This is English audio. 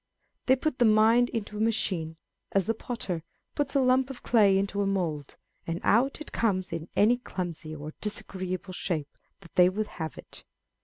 They put the mind into a machine, as the potter puts a lump of clay into a mould, and out it comes in any clumsy or disagreeable shape that they would have it.